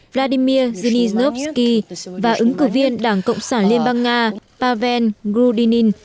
vladimir zelensky và ứng cử viên đảng cộng sản liên bang nga pavel grudinin